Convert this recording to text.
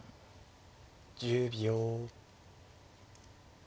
１０秒。